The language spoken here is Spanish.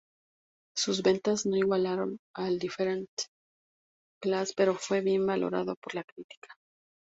Sus ventas no igualaron al "Different Class", pero fue bien valorado por la crítica.